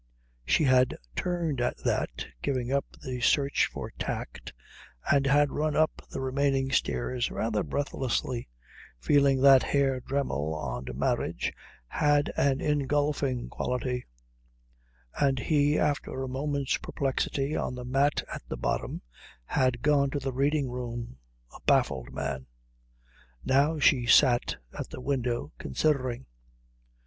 She had turned at that, giving up the search for tact, and had run up the remaining stairs rather breathlessly, feeling that Herr Dremmel on marriage had an engulfing quality; and he, after a moment's perplexity on the mat at the bottom, had gone to the reading room a baffled man. Now she sat at the window considering.